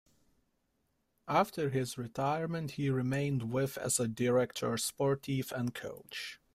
After his retirement he remained with as a directeur sportif and coach.